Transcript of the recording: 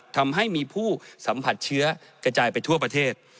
ทำให้มีผู้สัมผัสเชื้อกระจายไปทั่วประเทศ